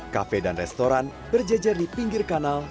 kafe dan restoran berjejer di pinggir kanal